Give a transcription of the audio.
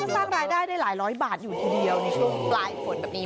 สร้างรายได้ได้หลายร้อยบาทอยู่ทีเดียวในช่วงปลายฝนแบบนี้